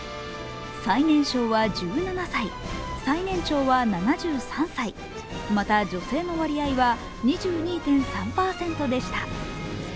最年少は１７歳、最年長は７３歳、また女性の割合は２２．３％でした。